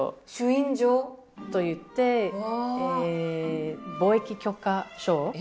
朱印状？といって貿易許可証。